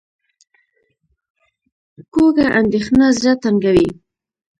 کوږه اندېښنه زړه تنګوي